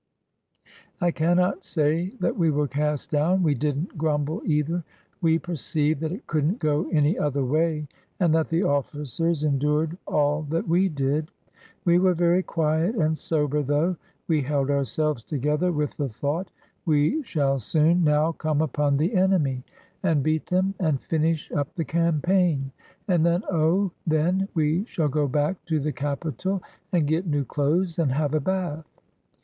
I cannot say that we were cast down. We did n't grumble, either. We perceived that it could n't go any other way and that the officers endured all that we did. We were very quiet and sober, though. We held our selves together with the thought: "We shall soon now 469 SOUTH AFRICA come upon the enemy and beat them and finish up the campaign, and then, oh! then, we shall go back to the capital and get new clothes and have a bath.